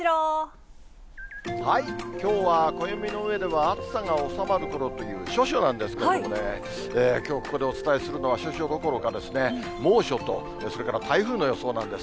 きょうは、暦の上では、暑さが収まるころという処暑なんですけれどもね、きょうここでお伝えするのは、処暑どころかですね、猛暑と、それから台風の予想なんです。